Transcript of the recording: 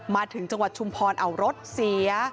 มาถึงจังหวัดชุมพรเอารถเสีย